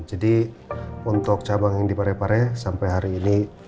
jadi untuk cabang yang di parepare sampai hari ini